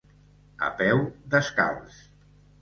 A peu descalç.